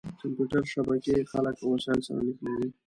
کمپیوټر شبکې خلک او وسایل سره نښلوي.